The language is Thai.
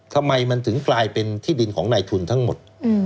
ทำไมมันถึงกลายเป็นที่ดินของนายทุนทั้งหมด